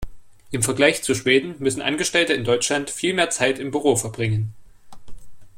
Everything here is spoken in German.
Im Vergleich zu Schweden müssen Angestellte in Deutschland viel mehr Zeit im Büro verbringen.